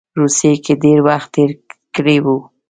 روسیې کې ډېر وخت تېر کړی وو.